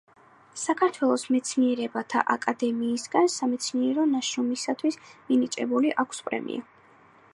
საქართველოს მეცნიერებათა აკადემიისგან სამეცნიერო ნაშრომისათვის მინიჭებული აქვს პრემია.